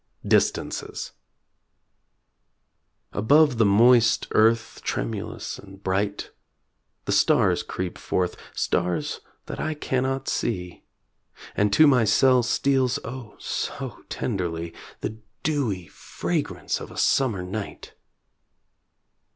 DISTANCES Above the moist earth, tremulous and bright, The stars creep forth stars that I cannot see; And to my cell steals, oh, so tenderly The dewy fragrance of a summer night!